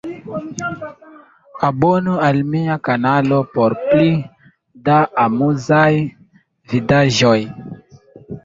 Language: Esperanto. Abonu al mia kanalo por pli da amuzaj vidaĵoj